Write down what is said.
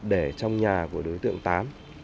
để trong nhà của đối tượng tám